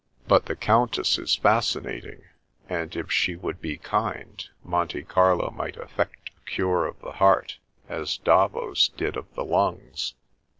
" But the Countess is fas cinating, and if she would be kind, Monte Carlo might effect a cure of the heart, as Davos did of the lungs."